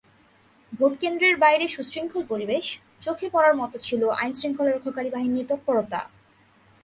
ভোটকেন্দ্রের বাইরে সুশৃঙ্খল পরিবেশ, চোখে পড়ার মতো ছিল আইনশৃঙ্খলা রক্ষাকারী বাহিনীর তৎপরতা।